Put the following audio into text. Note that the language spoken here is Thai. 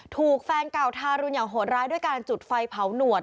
ถูกแฟนเก่าทารุณอย่างโหดร้ายด้วยการจุดไฟเผาหนวด